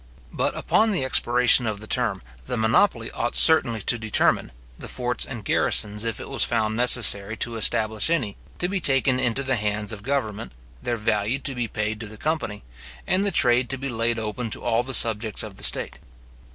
But upon the expiration of the term, the monopoly ought certainly to determine; the forts and garrisons, if it was found necessary to establish any, to be taken into the hands of government, their value to be paid to the company, and the trade to be laid open to all the subjects of the state.